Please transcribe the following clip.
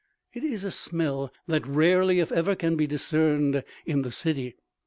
It is a smell that rarely if ever can be discerned in the city.